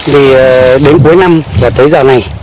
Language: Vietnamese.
vì đến cuối năm và tới giờ này